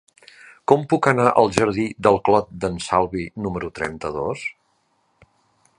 Com puc anar al jardí del Clot d'en Salvi número trenta-dos?